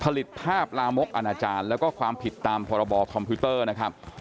ภาพลามกอนาจารย์แล้วก็ความผิดตามพรบคอมพิวเตอร์นะครับ